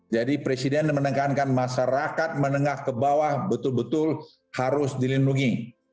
jadi presiden menekankan masyarakat menengah ke bawah betul betul harus dilindungi